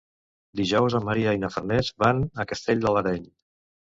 Dijous en Maria i na Farners van a Castell de l'Areny.